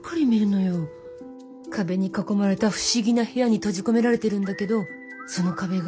壁に囲まれた不思議な部屋に閉じ込められてるんだけどその壁が。